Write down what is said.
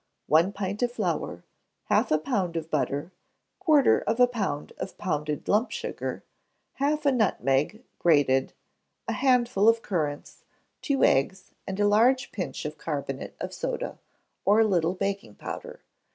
One pint of flour, half a pound of butter, quarter of a pound of pounded lump sugar, half a nutmeg grated, a handful of currants, two eggs, and a large pinch of carbonate of soda, or a little baking powder.